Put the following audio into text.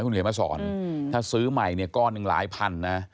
คุณเขียนมาสอนถ้าซื้อใหม่เนี่ยก้อนหนึ่งหลายพันนะ